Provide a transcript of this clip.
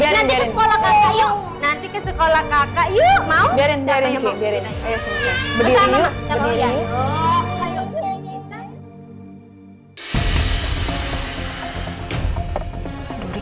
nanti ke sekolah kakak yuk mau